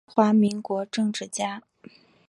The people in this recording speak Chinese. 中华民国政治家。